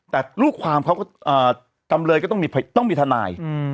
แต่ลูกความเขาก็จำเลยก็ต้องมีทนาย